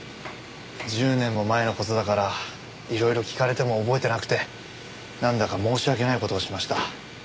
１０年も前の事だからいろいろ聞かれても覚えてなくてなんだか申し訳ない事をしました。